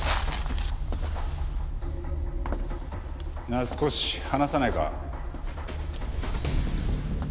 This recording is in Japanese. なあ少し話さないか？